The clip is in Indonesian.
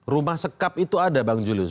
rumah sekap itu ada bang julius